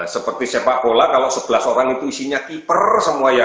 seperti sepak bola kalau sebelas orang itu isinya keeper semua ya